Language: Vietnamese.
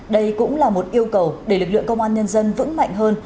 đây cũng là một yêu cầu để lực lượng công an nhân dân vững mạnh hơn